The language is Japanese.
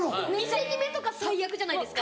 店決めとか最悪じゃないですか。